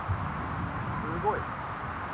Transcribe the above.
すごい。